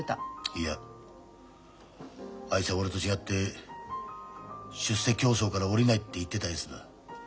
いやあいつは俺と違って出世競争から降りないって言ってたやつだ。